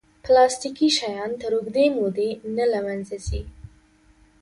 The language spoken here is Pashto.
پلاستيکي شیان تر اوږدې مودې نه له منځه ځي.